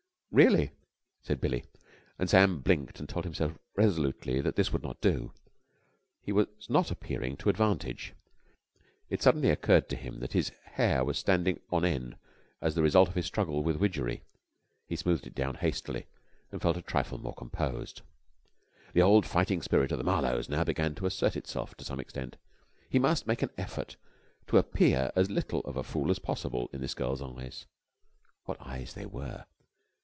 "Really?" said Billie, and Sam blinked and told himself resolutely that this would not do. He was not appearing to advantage. It suddenly occurred to him that his hair was standing on end as the result of his struggle with Widgery. He smoothed it down hastily, and felt a trifle more composed. The old fighting spirit of the Marlowes now began to assert itself to some extent. He must make an effort to appear as little of a fool as possible in this girl's eyes. And what eyes they were!